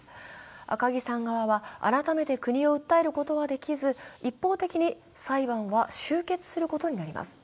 赤木さん側は改めて国を訴えることはできず一方的に裁判は終結することになります。